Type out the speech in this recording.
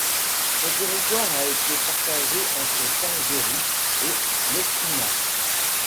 Son territoire a été partagé entre Saint-Jory et Lespinasse.